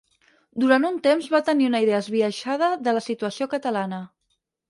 Durant un temps va tenir una idea esbiaixada de la situació catalana.